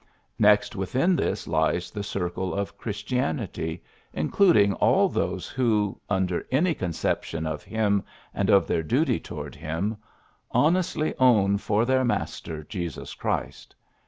Next within this lies the circle of Christian ity, including all those who under any conception of Him and of their duty toward Him honestly own for their Master Jesus Christ.